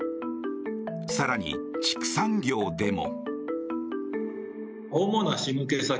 更に、畜産業でも。